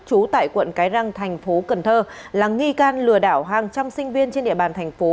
trú tại quận cái răng thành phố cần thơ là nghi can lừa đảo hàng trăm sinh viên trên địa bàn thành phố